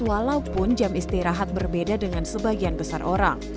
walaupun jam istirahat berbeda dengan sebagian besar orang